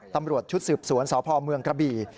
ตำรวจชุดสืบสวนสพเมืองกระบี่